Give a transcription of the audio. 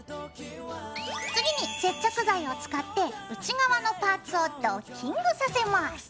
次に接着剤を使って内側のパーツをドッキングさせます。